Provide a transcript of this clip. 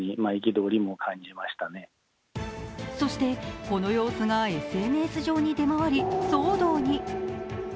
そしてこの様子がＳＮＳ上に出回り騒動に。